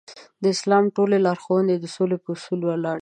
د اسلام ټولې لارښوونې د سولې په اصول ولاړې دي.